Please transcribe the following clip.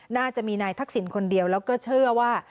น่าจะมีนายทักษิณคนเดียวแล้วก็เชื่อว่า